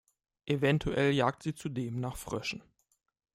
Eventuell jagt sie zudem nach Fröschen.